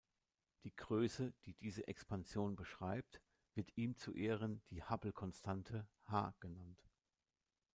Die Größe, die diese Expansion beschreibt, wird ihm zu Ehren die Hubble-Konstante "H" genannt.